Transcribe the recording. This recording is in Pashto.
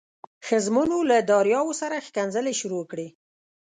ښځمنو له دریاو سره ښکنځلې شروع کړې.